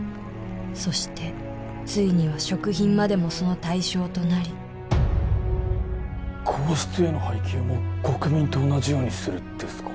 そしてついには食品までもその対象となり皇室への配給も国民と同じようにするですか？